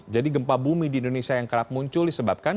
jadi gempa bumi di indonesia yang kerap muncul disebabkan